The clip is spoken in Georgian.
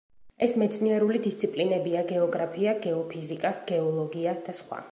ეს მეცნიერული დისციპლინებია: გეოგრაფია, გეოფიზიკა, გეოლოგია და სხვა.